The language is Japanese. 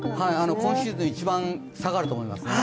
今シーズン、一番下がると思いますね。